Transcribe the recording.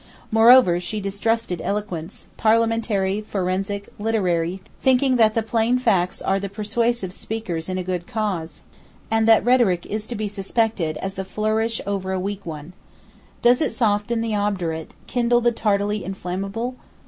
Moreover, she distrusted eloquence, Parliamentary, forensic, literary; thinking that the plain facts are the persuasive speakers in a good cause, and that rhetoric is to be suspected as the flourish over a weak one. Does it soften the obdurate, kindle the tardily inflammable?